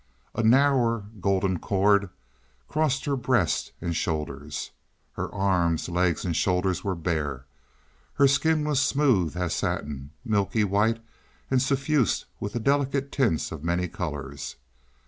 A narrower golden cord crossed her breast and shoulders. Her arms, legs, and shoulders were bare. Her skin was smooth as satin, milky white, and suffused with the delicate tints of many colors.